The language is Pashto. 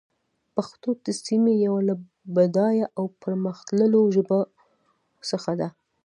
پښتو د سيمې يوه له بډايه او پرمختللو ژبو څخه ده.